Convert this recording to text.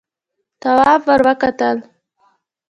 تواب ور وکتل.